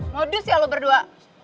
modus ya lo berdua